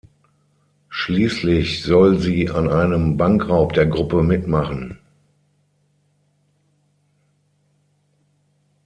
Schließlich soll sie an einem Bankraub der Gruppe mitmachen.